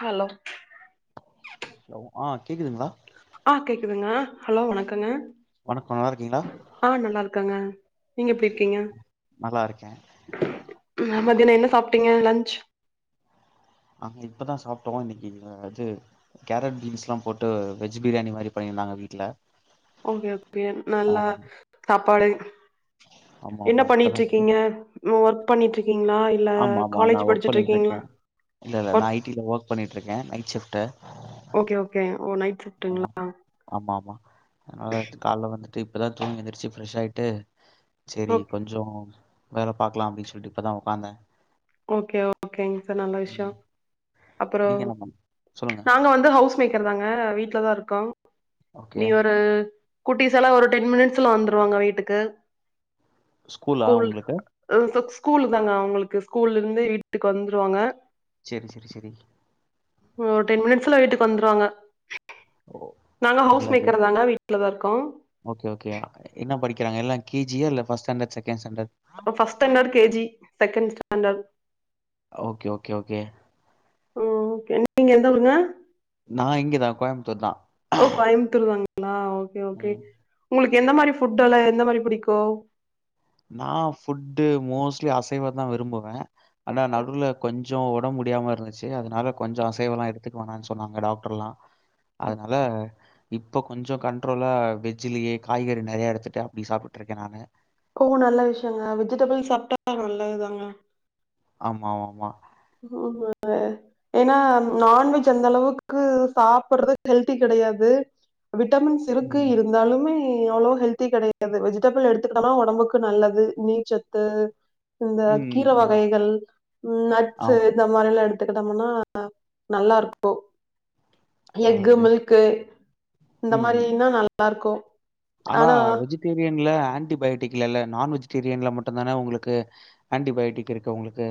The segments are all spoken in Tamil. ஹலோ ஹலோ ஆ கேக்குதுங்ளா ஆ கேக்குதுங்க ஹலோ வணக்கங்க வணக்கோ நல்லா இருக்கீங்களா ஆ நல்லாருக்காங்க நீங்க எப்டி இருக்கீங்க நல்லாருக்கே ம மதியானோ என்ன சாப்டீங்க லன்ச் நாங்க இப்பதா சாப்ட்டோ இன்னிக்கு அது கேரட் பீன்ஸ்லா போட்டு வெஜ் பிரியாணி மாரி பண்ணியிருந்தாங்க வீட்ல ஓகே ஓகே ஆ நல்லா சாப்பாடு ஆமா என்ன ஆமா இப்பதா பண்ணிட்ருக்கீங்க மோ ஒர்க் பண்ணிட்ருக்கீங்ளா ஆமா ஆமா நா ஒர்க் பண்ணிட்ருக்கே இல்ல இல்ல நா ஒர்க் ஐடில ஒர்க் பண்ணிட்ருக்கே நைட் ஷிஃப்ட்டு ஓகே ஓகே ஓ நைட் ஷிஃப்டுங்ளா ஆமா ஆமா அனால ஏன்சி கால்ல வந்துட்டு இப்பதா தூங்கி எந்திரச்சு ஃப்ரெஷ் ஆயிட்டு சேரி ஓக் கொஞ்சோ வேல பாக்லா அப்டின் சொல்ட்டு இப்பதா ஒக்காந்தே ஓகே ஓகேங்க இது நல்ல விஷ்யோ அப்பறோ நீங்க என்ன பண் சொல்லுங்க நாங்க வந்து ஹவுஸ் மேக்கர் தாங்கா வீட்ல தா இருக்கோ ஓகே நீ ஒரு குட்டீஸ் எல்லா ஒரு டென் மினிட்ஸ்ல வந்துருவாங்க வீட்டுக்கு ஸ்கூலா அவுங்ளுக்கு ம் ஹும் ஸ்கூலு தாங்க அவுங்களுக்கு ஸ்கூல்ல இருந்து வீட்டுக்கு வந்துருவாங்க சேரி சேரி சேரி ஓ டென் மினிட்ஸ்ல வீட்டுக்கு வந்துருவாங்க ஓ நாங்க ஹவுஸ் நல்லது மேக்கர் தாங்க வீட்டுலதா இருக்கோ ஓகே ஓகேயா என்ன படிக்கறாங்க எல்லா கே ஜியா இல்ல ஃபஸ் ஸ்டாண்டர்ட் செகண்ட் ஸ்டாண்டர்ட் அ first standard K G second standard okay, okay, okay. ம் ஓகே நீங்க எந்த ஊருங்க நா இங்கதா கோயம்புத்தூர் தா ஓ கோயமுத்தூர் தாங்களா ஓகே ஓகே ம். உங்களுக்கு எந்த மாரி ஃபுட்டெல்லா எந்த மாரி புடிக்கு நா ஃபுட்டு மோஸ்ட்லி அசைவந்தா விரும்புவ ஆனா நடுவ்ல கொஞ்சோ ஒடம் முடியாம இருந்துச்சு அதனால கொஞ்சோ அசைவல்லா எடுத்துக்க வேணான் சொன்னாங்க டாக்டர்ல்லா அதனால இப்ப கொஞ்சோ கண்ட்ரோலா வெஜ்லியே காய்கறி நெறையா எடுத்துட்டு அப்டி சாப்புட்ருக்கே நானு கோ நல்ல விஷயங்க வெஜிடபிள் சாப்ட்டா நல்லதுதாங்க ஆமா ஆமா [unintelligible] ங்க ஏனா நான்வெஜ் அந்தளவுக்கு சாப்பட்றது ஹெல்தி கெடயாது விட்டமின்ஸ் இருக்கு ம், இருந் தாலுமே அவ்ளோ ஹெல்தி கெடயாது வெஜிடபிள் எடுத்துக்கிட்டனா ஒடம்புக்கு நல்லது நீர்ச்சத்து இந்த ம், கீர ம். வகைகள் நட் ஆம் இந்த மாரில்லா எடுத்துக்கிட்டம்னா நல்லா இருக்கு எக்கு நல்லது. மில்க்கு இந்த ம். மாரீனா நல்லா இருக்கு ஆனா வெஜிடேரியன்ல ஆன்டிபயோட்டிக் இல்லல நான் வெஜிடேரியன்ல மட்டுந்தான உங்களுக்கு ஆன்டிபயோட்டிக் இருக்கு உங்களுக்கு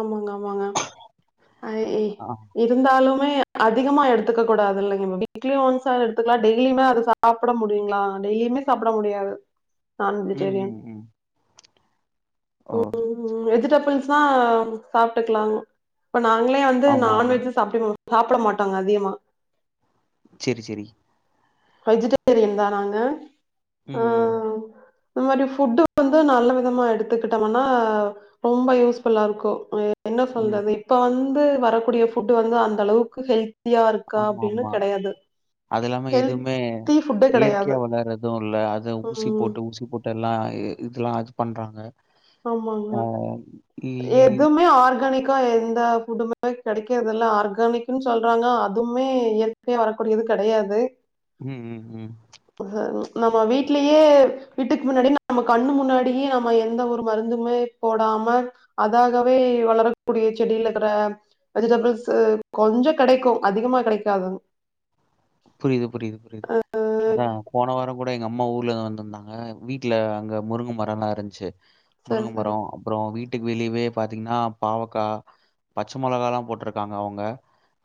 ஆமாங்க ஆமாங்க ஐய் ஆ. இருந்தாலுமே அதிகமா எடுத்துக்க கூடாது இல்லைங் மேம் வீக்லி ஒன்ஸ்ஸாது எடுக்கலா டெய்லிமே அது சா சாப்ட முடியுங்ளா டெய்லிமே சாப்ட முடியாது நான் ம், வெஜிடேரியன் ம், ம். ஓ! ம் வெஜிடபிள்ஸ்னா ம் சாப்ட்டுக்கலாங் இப்ப நாங்களே வந்து ஆமாமா. நான்வெஜ்ஜு சாப்டுக்க சாப்ட மாட்டோங்க அதிகமா சேரி சேரி வெஜிடேரியன்தா நாங்க ம் ஆ ம் இந்த மாரி ஃபுட்டு வந்து நல்ல விதமா எடுத்துக்கிட்டம்னா ரொம்ப யூஸ்ஃபுல்லா இருக்கு ஏ என்ன ம், ம். சொல்றது இப்ப வந்து வரக்கூடிய ஃபுட் வந்து அந்தளவுக்கு ஹெல் தியா இருக்கா அப்டின்னு ஆமாமா. கெடையாது ஹெல் அ இயற்கையா வளர்றது இல்ல அது ஊசி ம் போட்டு ஊசி போட் டெல்லா இ இதெல்லா அது பண்றாங்க ஆமாங்க ஆ இ எதுமே ஆர்கானிக் கா எந்த ஃபுட்டுமே கெடைக்கறதில்ல ஆர்கானிக்ன்னு சொல்றாங்க அதுமே இயற் கையா வரக்கூடியது கெடயாது ம் ம் ம் ஹ நம்ம வீட்லியே வீட்டுக்கு முன்னாடி நம்ம கண்ணு முன்னாடியே நம்ம எந்த ஒரு மருந்துமே போடாம அதாகவே வளரக்கூடிய செடில இருக்கற வெஜிடபிள்ஸ்சு கொஞ்சோ கெடைக்கு அதிகமா கெடைக்காது புரீது புரீது புரீது ம் அதா போன வாரங்கூட எங்க அம்மா ஊர்ல இருந்து வந்திருந்தாங்க வீட்ல அங்க முருங்க மரோல்லா இருந்ச்சு சரி முருங்க சரி மரோ அப்பறோ வீட்டுக் வெளியவே பாத்தீங்கன்னா பாவக்கா பச்ச மொளகாலா போட்ருக்காங்க அவுங்க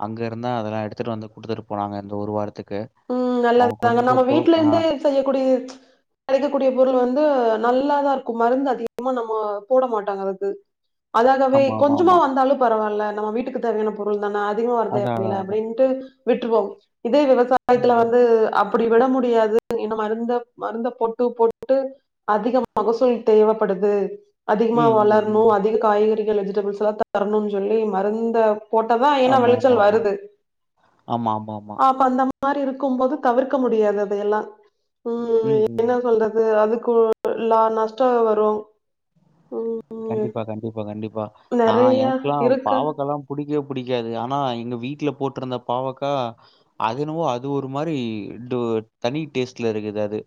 அங்க இருந்தா அதெல்லா எடுத்துட்டு வந்து குடுத்துட்டு போனாங்க இந்த ஒரு வாரத்துக்கு ம் அவங்க நல்லதாங்க நம்ம கொஞ்சம் தோ வீட்ல ஆ, இருந்தே செய்யக்கூடியது கெடைக்கக்கூடிய பொருளு வந்து நல்லாதா ருக்கு மருந்து அதிகமா நம்ம போட மாட்டாங்க அதுக்கு அதாகவே ஆமா ஆமா கொஞ்சுமா ஆமா வந்தாலு பரவால்ல நம்ம வீட்டுக்கு தேவையான பொருள் தானா அதிகம் வர அதான் தேவயில்லல அதான் அதான். அப்டின்ட்டு விட்ருவோ இதே விவசா ம் சாயத்துல ம் வந்து அப்பிடி விட முடியாது இன்னு மருந்த மருந்த போட்டு போட்டு அதிக மகசூல் தேவப்படுது அதிகமா ம் ம் வளர்ணு ம். அதிக காய்கறிகள் வெஜிடபிள்ஸ் லா தரணுன்னு சொல்லி மருந்த போட்டா தா ஏனா ஆமா ஆமா வெளச்சல் ஆமா வருது ஆமா ஆமா ஆமா ஆம் நம்ம அந்த மாரி இருக்கு போது தவிர்க்க முடியாது அத எல்லா ம் என்னா சொல்றது அதுக்கு லா நஷ்டோ வரு ம் கண்டிப்பா கண்டிப்பா கண்டிப்பா நா நெறைய எனக்லா இருக்கு. பாவக்கா கால்லா புடிக்கவே புடிக்காது ஆனா எங்க வீட்ல போட்டுருந்த பாவக்கா அது இன்னவோ அது ஒரு மாரி டு தனி டேஸ்ட்ல இருக்குது அது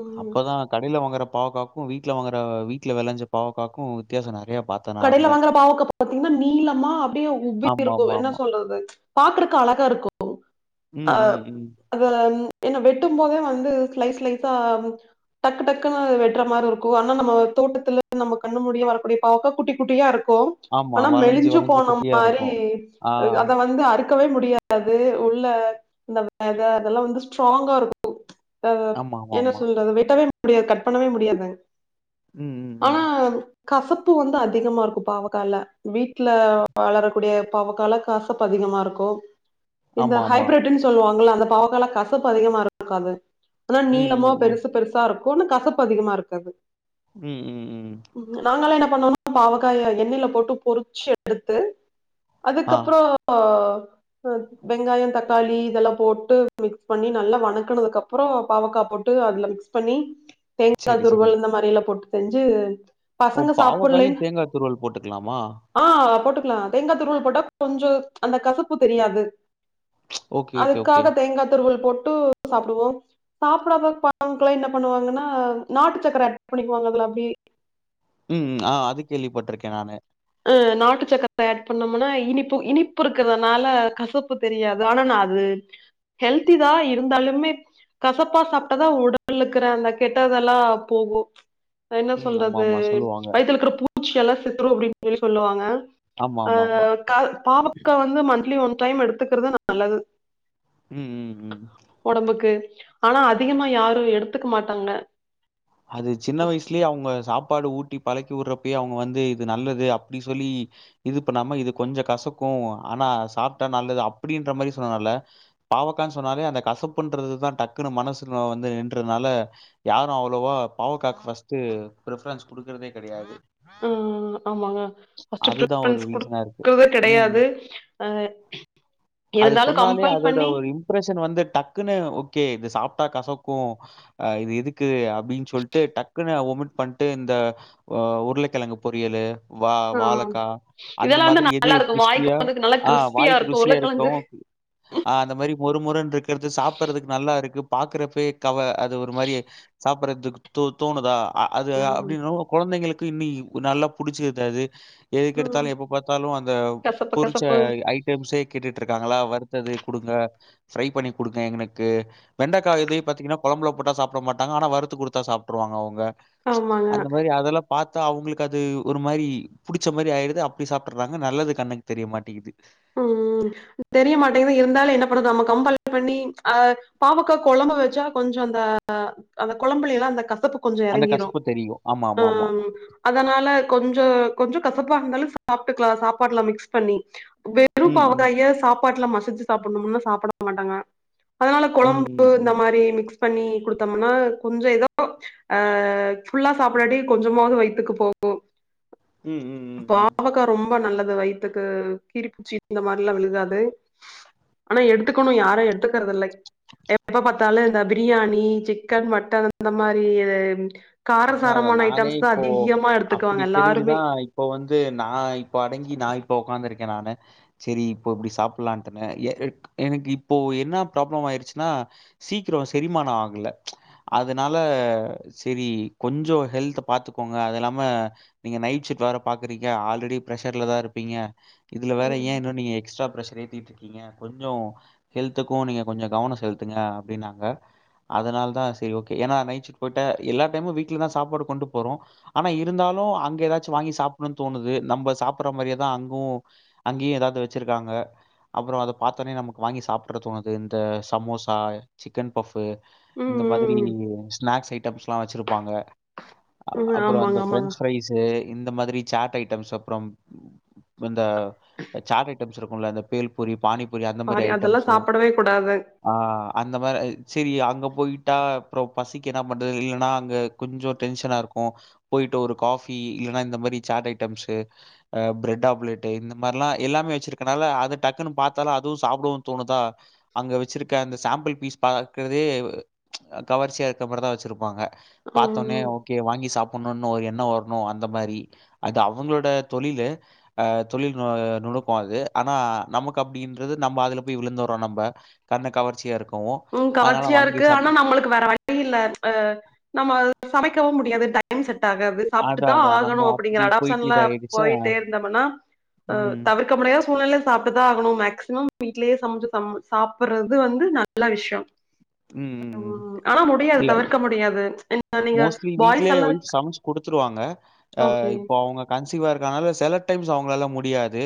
ம். அப்பதா கடேல வாங்குற பாவாகாக்கும் வீட்ல வாங்குற வீட்ல வெளஞ்ச பாவக்காக்கு வித்தியாசோ நெறையா பாத் கடைல வாங்குற பாவக்கா பாத்திங்ன்னா நீளமா அப்டியே உப்பி இருக்கு என்ன ஆமாமாமா. சொல்றது பாக்குறக்கு அழகா இருக்கு அ ம், ம், ம். அத என்ன வெட்டும் போதே வந்து ஸ்லைஸ் ஸ்லைஸா டக்கு டக்குன்னு வெட்ற மாரி இருக்கு அனா நம்ம தோட்டத்துல நம்ம கண்ணு முடிய வரக்கூடிய பாவக்கா குட்டி குட்டியா இருக்கு ஆமா. ஆனா வளஞ்சு, மெலுஞ்சு வளஞ்சு போன குட்டியா மாரி இருக்கும். ஆ. அத வந்து அறு க்கவே முடியாது உள்ள இந்த வெத அதெல்லா வந்து ஸ்ட்ராங்கா இருக்கு அ என்ன ஆமாமாமா. சொல்றது வெட்டவே முடியாது கட் பண்ணவே முடியாது ம், ம், ம். ஆனா கசப்பு வந்து அதி அதிகமா இருக்கு பாவக்கால வீட்ல வளரக்கூடிய பாவக்கால கசப்பு அதிகமா இருக்கு இந்த ஆமாமா. ஹைப்ரட்டின் சொல்வாங்கள அந்த பாவக்கால கசப்பு அதிகமா இருக்காது அதா ம், நீளமா ம், ம். பெருசு பெருசா இருக்கும்ன்னு கசப்பு அதிகமா இருக்காது ம் ம் ம் ம் நாங்கல்லா என்னா பண்ணோம்னா பாவக்காய எண்ணெல போட்டு பொருச்சு எடுத்து ஆ. அதுக்கப்றோ அ வெங்காயொ தக்காளி இதெல்லா போட்டு மிக்ஸ் பண்ணி நல்லா வணக்குனதுக்கு அப்றொ பாவக்கா போட்டு அதுல மிக்ஸ் பண்ணி தேங்கா சரி, சரி. துருவல் இந்த மாரி எல்லா போட்டு செஞ்சு பசங்க சாப் பன்னி தேங்கா துருவள் போட்டுக்கலாமா ஆ போட்டுக்லா தேங்கா துருவல் போட்டா கொஞ்சொ அந்த கசப்பு தெரியாது ஓகே, ஓகே, ஓகே. அதுக்காக தேங்கா துருவல் போட்டு சாப்டுவோ சாப்புடாத [unintelligible] என்ன பண்ணுவாங்கன்னா நாட்டு சக்கர அட் பண்ணிக்குவாங்க அதுல அப்டி ம்ம் ஆ அது கேள்விப்பட்டுருக்கே நானு அ நாட்டு சக்கர ஆட் பண்ணோம்னா இனிப்பு இனிப்பு இருக்குறதுனால கசப்பு தெரியாது ஆனா நா அது ஹெல்த்தி தா இருந்தாலுமே கசப்பா சாப்ட்டாதா உடல்ல இர்க்குற அந்த கெட்டதெல்லா போகு அத என்ன ம். சொல்றது ஆமாமா சொல்லுவாங்க. வயித்துல இக்கிற பூச்சி எல்லா செத்துரு அப்டின்னு சொல்லி சொல்லுவாங்க அ ஆமாமாமா. காவ் பாவக்கா வந்து மந்த்லி ஒன் டைம் எடுத்துக்குறது நல்லது ம் ம் ம். ஒடம்புக்கு ஆனா அதிகமா யாரு எடுத்துக்கு மாட்டாங்க அது சின்ன வயசுலே அவுங்க சாப்பாடு ஊட்டி பழக்கி விடுறப்பயே அவுங்க வந்து இது நல்லது அப்டி சொல்லி இது பண்ணாம இது கொஞ்சோ கசக்கு ஆனா சாப்ட்டா நல்லது அப்டின்ற மாரி சொன்னல்ல பாவக்கானு சொன்னாலே அந்த கசப்புன்றது தா டக்குனு மனசுல வந்து நின்றதுனால யாரு அவ அவ்ளோவா பாவக்காக்கு ஃபர்ஸ்டு ப்ரிப்ரன்ஸ் குடுக்றதே கெடையாது அ ஆமாங்க ஃபர்ஸ்ட் அதுதான் ஒரு ப்ரிஃபரன்ஸ் ரீசனா இருக்கு. குடுக்றதே ம். கெடையாது அ இருந்தாலு கம்பல் பண்ணி ப்ரேஷன் வந்து டக்குன்னு ஓகே இத சாப்டா கசக்கு அ இது எதுக்கு அப்டின் சொல்ட்டு டக்குனு ஒமிட் பண்ட்டு இந்த உருளக்கெழங்கு பொரியலு வா அ வாழக்கா அந்த இதெல்லாம் வந்து மாதிரி எது நல்லாருக்கும். வாய்க்கு கிறிஸ்பியா வந்து நல்லா ஆ கிரிஸ்பியா வாய்க்கு இருக்கும். ருசியா உருளைக்கிழங்கு இருக்கவு ஆ அந்த மாரி மொறுமொறுன் ருக்கற்து சாப்ட்றதுக்கு நல்லா இருக்கு பாக்குறப்பெ கவ அது ஒரு மாரி சாப்புட்றதுக்கு தொ தோணுதா அ அது ம். அப்டின்னொ கொழந்தைங்களுக்கு இன்னி நல்லா புடுச்சிருதாது ம். எதுக்கெடுத்தாலு எப்ப பாத்தாலு அந்த கசப்பு பொருச்ச கசப்பு. ஐ ட்டம்ஸே கேட்டுட்டு இருக்காங்களா வருத்தது குடுங்க ஃப்ரை பண்ணி குடுங்க எனக்கு வெண்டக்கா இது பாத்திங்கன்னா கொழம்புல போட்டா சாப்பிட மாட்மாட்டே ஆனா வறுத்து குடுத்தா சாப்ட்டுருவாங்க அவங்க ஆமாங்க. அந்த மாரி அதெல்லா பாத்தா அவங்களுக்கு அது ஒரு மாரி புடிச்ச மாரி ஆயிடுது அப்டி சாப்ட்டுறாங்க நல்லது கண்ணுக்கு தெரிய மாட்டேங்குது ம் ம் தெரிய மாட்டேங்குது இருந்தாலு என்ன பண்ணது நம்ம கம்பல் பண்ணி ஆ பாவக்க கொழம்பு வச்சா கொஞ்ச அந்த அந்த கொழம்புலல்லா அந்த கசப்பு கொஞ்ச அந்த எறங்கிரு கசப்பு தெரியும். ஆமா, ஆமா, ஆமா. ஆஹ அதனால கொஞ்ச கொஞ்ச கசப்பா இருந்தாலு சாப்ட்டுக்கலா சாப்பாட்ல மிக்ஸ் பண்ணி வெறு ம், ம். பாவக்காய சாப்பாட்ல மசிச்சு சாப்புட்ணும்னு சாப்ட மாட்டாங்க அதனால ம் கொழம்பு இந்த ம் மாரி மிக்ஸ் பண்ணி குடுத்தோம்னா கொஞ்ச ஏதோ ஆ ஃபுல்லா சாப்புடாட்டி கொஞ்சமாவது வயித்துக்கு போகு ம் ம் ம் ம் க்கா ரொம்ப நல்லது வயித்துக்கு கீறிப்பூச்சி இந்தமாரிலா விழுகாது ஆனா எடுத்துக்கணு யாரு எடுத்துக்கறத இல்லை எப்ப பாத்தாலு இந்த பிரியாணி சிக்கன் மட்டன் அந்த மாரி கார அதான் அதான். சாரமான நானே ஐட்டம்ஸ் தா இப்போ அதிகமா அப்படி எடுத்துக்குவாங்க தெரிஞ்சு எல்லாருமே தான் இப்போ வந்து நா இப்ப அடங்கி நா இப்ப உக்காந்து இருக்கே நானு செரி இப்போ இப்டி சாப்டலான்ட்டாங்க எ எனக் எனக்கு இப்போ என்ன ப்ராப்ளம் ஆயிடுச்சுன்னா சீக்கிர செரிமான ஆகல அதனால செரி கொஞ்ச ஹெல்த்த பாத்துக்கோங்க அதுல்லாம நீங்க நைட் ஷிஃப்ட் வேற பாக்குறீங்க ஆல்ரெடி பிர்ரெஷர்ல தா இருப்பீங்க இதுல வேற ஏ ம். இன்னு நீங்க எக்ஸ்ட்ரா பிரஷர் ஏத்திட்ருக் கீங்க கொஞ்ச ஹெல்த்துக்கு நீங்க கொஞ்ச கவன செலுத்துங்க அப்டின்னாங்க அதனால தா சரி ஓகே ஏன்னா நைட் ஷிஃப்ட் போயிட்டா எல்லா டைமு வீட்லதா சாப்பாடு கொண்டு போறோ ஆனா இருந்தாலு அங்க ஏதாச்சு வாங்கி சாப்புட்ணுன்னு தோணுது நம்ப சாப்புட்ற மாரியேதா அங்கவு அங்கேயு ஏதாவது வச்சிருக்காங்க அப்புற அத பாத்தோன்னே நமக்கு வாங்கி சாப்ட்டுற தோணுது இந்த சமோசா சிக்கன் பஃபு ம் இந்த மாதிரி ம் ஸ்நாக்ஸ் ஐட்டம்ஸ்லா வச்சிருப்பாங்க ஆ ம் அப்புற அந்த ஆமாங்க ஆமாங்க ஃபிரெஞ்ச் ஃப்ரைஸு இந்த மாதிரி சாட் ஐட்டம்ஸ் அப்புறம் இந்த சாட் ஐட்டம்ஸ் இருக்கும்ல அந்த பேல் பூரி பானிபூரி அந்த மாரி சாரி அதெல்லா ஐட்டம்ஸு சாப்படவே கூடாது ஆ அந்த மாரி ஆ செரி அங்க போயிட்டா அப்புற பசிக்கு என்ன பண்றது இல்லன்னா அங்க கொஞ்ச டென்ஷனா இருக்கு போயிட்டு ஒரு காஃபி இல்லன்னா இந்த மாரி சாட் ஐட்டம்ஸு ஆ பிரெட் ஆப்லெட்டு இந்த மாரில்லா எல்லாமே வச்சிருக்கனால அத டக்குன்னு பாத்தாலு அதுவு சாப்டவும் தோணுதா அங்க வச்சிருக்க அந்த சாம்பிள் பீஸ் பாக்குறதே கவர்ச்சியா இருக்க மாதிரி தா வச்சிருப்பாங்க பாத்தோன்னே ம் ஓகே வாங்கி சாப்புணுன்னு ஒரு எண்ண வரணு அந்த மாரி அது அவங்களோட தொழிலு ஆ தொழில் நு நுணுக்கோ அது ஆனா நமக்கு அப்டின்றது நம்ப அதுல போய் விழுந்துறோ நம்ப கண்ண கவர்ச்சியா இருக்கு ம் கவர்ச்சியா இருக்கு ஆனா நம்மளுக்கு வேற வழி வழி இல்ல ஆ நம்ம சமைக்கவு முடியாது டைம் செட் ஆகாது சாப்ட்டு அதான், தா அதான். நம்ம ஆகணு அப்பிடிங்கற அப்டி போயிட்டு அடாப்ஷன்ல இதாயிடுச்சா போய்ட்டே இருந்தம்னா ம். தவிர் க்க முடியாத சூழ்நெல சாப்ட்டுதா ஆகணு மேக்சிமம் வீட்லயே சமச்சு சம் சாப்புட்றது வந்து ந ல்ல விஷ்யோ ம், ம். ஆனா முடியாது இல்ல தவிர்க்க முடியாது என்ன நீங்க மோஸ்ட்லி பாய்ஸ் வீட்லயே எல்லா ஒய்ஃப் சமச்சு குடுத்துருவாங்க ஆ ஓகே இப்போ அவுங்க கன்சிவா இருக்கறனால சில டைம்ஸ் அவுங்களால முடியாது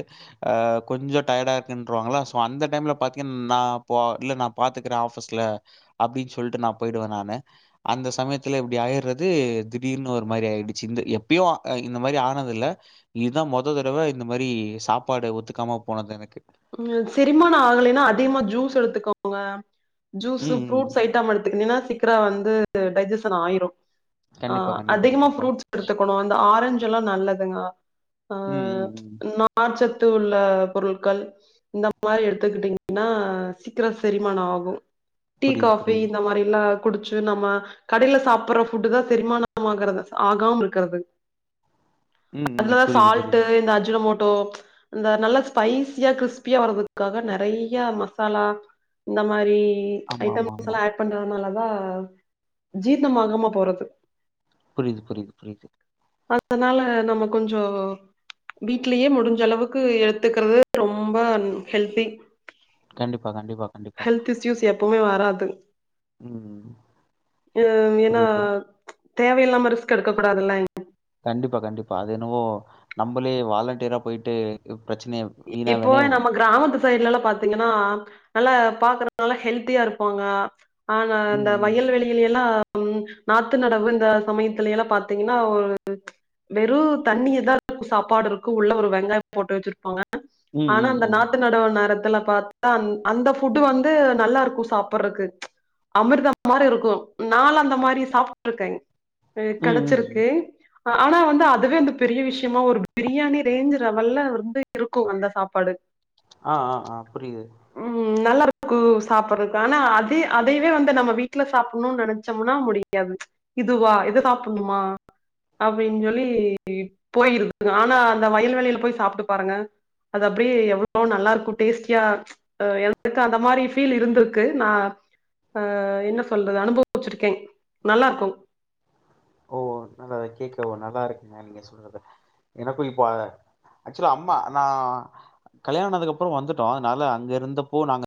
அ கொஞ்சொ டயர்டா இருக்குன்ருவாங்களா. சோ அந்த டைம்ல பாத்தீங் நா ப இல்ல நா பாத்துக்குற ஆஃபீஸ்ல அப்டின் சொல்ட்டு நா போயிடுவே நானு. அந்த சமய த்துல இப்டி ஆயிற்றது திடீர்னு ஒரு மாரி ஆயிடுச்சு. இந்த எப்பியு இந்த மாரி ஆனது இல்ல. இதா மொத தடவ இந்த மாரி சாப்பாடு ஒத்துக்காம போனது எனக்கு. ம் செரிமானோ ஆகலின்னா அதிகமா ஜூஸ் எடுத்துக்கோங்க. ஜூஸ்சு ம், ம். ஃப்ரூட்ஸ் ஐட்டம் எடுத்துக்கெனினா சீக்கிர வந்து டைஜசன் ஆயிரு ஆ கண்டிப்பா, கண்டிப்பா, அதிகமா கண்டிப்பா. ஃப்ரூட்ஸ் எடுத்துக்கொணு. இந்த ஆரஞ்ச் எல்லா நல்லதுங்க ம் ம் ம் நார் சத்து உள்ள பொருள்கள் இந்த மாரி எடுத்துக்கிட்டீங்கன்னா சீக்கிர செரிமானொ ஆகு. டீ புரியுது, காஃபி புரியுது. இந்த மாரில்லா குடுச்சு நம்ம கடைல சாப்பட்ற ஃபுட்டு் தா செரிமானோ ஆகறது ஆகாம இருக்கறது. ம், ம். அதா புரியுது, சால்ட்டு புரியுது. இந்த அஜுனமோட்டோ இந்த நல்ல ஸ்பைசியா க்றிஸ் பியா வர்துக்காக நறையா மசாலா இந்த மாரி ஆமாமாமா. ஐட்டம்ஸ்லா ஆட் பண்றனாலதா ஜீர்ணமாகாம போறது புரிது புரிது புரிது அதனால நம்ம கொஞ்சோ வீட்லியே முடுஞ்ச அளவுக்கு எத்துக்கறது ரொம்ப ஹெல்த்தி கண்டிப்பா கண்டிப்பா கண்டிப்பா. ஹெல்த் இஸ்யூஸ் எப்பொமே வராது. ம். ம் எனா புரியுது. தேவயில்லாம ரிஸ்க் எடுக்க கூடாதுல்ல. கண்டிப்பா கண்டிப்பா. அது என்னவோ நம்மளே வாலண்டியரா போய்ட்டு பிரச்சனைய வீணா இப்போ வெனய நம்ம கிராமத்து சைட்லலா பாத்தீங்கன்னா நல்லா பாக்குறங்கல்லா ஹெல்த்தியா இருப்பாங்க. ஆனா ம், இந்த ம். வயல்வெளி வெளி எல்லா உ நாத்து நடவு இந்த சமயத்துல எல்லா பாத்தீங்கன்னா வெறு தண்ணிதா சாப்பாடு இருக்கு. உள்ள ஒரு வெங்காயோ போட்டு வெச்சிருப்பாங்க. ம், ஆனா ம், அந்த ம். நாட்டு நடவு நேரத்துல பாத்தா அ அந்த ஃபுட்டு வந்து நல்லா இருக்கு சாப்பட்றக்கு அமிர்தம் மாரி இருக்கு. நாலா அந்த மாரி சாப்ட்டுருக்கே ம், ம், ம். கெடச்சிருக்கு. ஆனா வந்து அதுவே வந்து பெரிய விஷ்யமா ஒரு பிரியாணி ரேஞ்ச் ரவல்ல ரொம்ப இருக்கு அந்த சாப்பாடு ஆ ஆ ஆ புரியுது ம் நல்லா இருக்கு ம் சாப்பற்றகு ஆனா அதே அதைவே வந்து நம்ம வீட்ல சாப்புட்ணு நனச்சம்னா முடியாது. இதுவா இத சாப்புட்ணுமா அப்டின் சொல்லி போயிருது நானு அந்த வயல் வெளில போய் சாப்ட்டு பாருங்க அது அப்டியே எவ்ளோ நல்லா இருக்கு டேஸ்டியா அ எனக் அந்த மாரி ஃபீல் இருந்துருக்கு நா ஆ என்ன சொல்றது அனுபவிச்சிருக்கே. நல்லா இருக்கு. ஓ நல்லா கேட்கவு நல்லா இருக்குங்க நீங் நீங்க சொல்றது. எனக்கு இப்ப ஆக்சுலா அம்மா நா கல்யாணோ ஆனதுக்கு அப்பறோ வந்துட்டோ. அதுனால அங்க இருந்தப்போ நாங்க